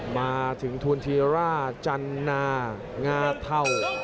มาถึงทูลธีร่าจันนางาเท่า